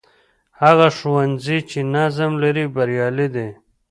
هغه ښوونځی چې نظم لري، بریالی دی.